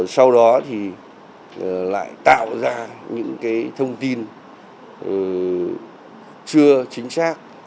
sau đó thì lại tạo ra những cái thông tin chưa chính xác